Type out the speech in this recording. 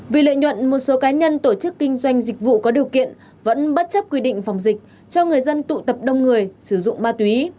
vì lợi nhuận một số cá nhân tổ chức kinh doanh dịch vụ có điều kiện vẫn bất chấp quy định phòng dịch cho người dân tụ tập đông người sử dụng ma túy